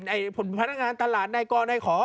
ไอ้ผู้พนักงานตลาดไน่ก้อนไน่ขอ